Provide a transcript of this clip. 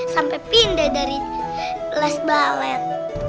sampai pindah dari les balet